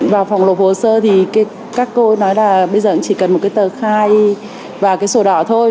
vào phòng lộp hồ sơ thì các cô nói là bây giờ cũng chỉ cần một cái tờ khai và cái sổ đỏ thôi